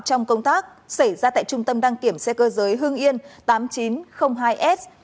trong công tác xảy ra tại trung tâm đăng kiểm xe cơ giới hương yên tám nghìn chín trăm linh hai s